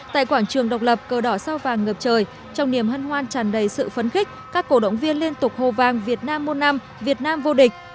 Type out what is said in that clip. tại quảng trường độc lập cờ đỏ sao vàng ngập trời trong niềm hân hoan tràn đầy sự phấn khích các cổ động viên liên tục hồ vang việt nam môn năm việt nam vô địch